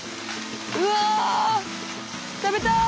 うわ食べたい。